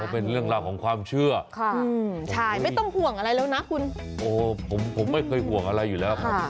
เป็นเรื่องราวของความเชื่อค่ะโอ้โฮโอ้โฮผมไม่เคยห่วงอะไรอยู่แล้วค่ะ